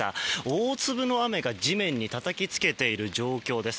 大粒の雨が地面にたたきつけている状況です。